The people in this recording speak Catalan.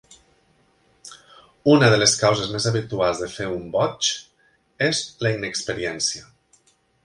Una de les causes més habituals de fer un "botch" és la inexperiència.